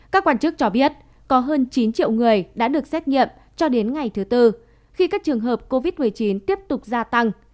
các quan chức cho biết có hơn chín triệu người đã được xét nghiệm cho đến ngày thứ tư khi các trường hợp covid một mươi chín tiếp tục gia tăng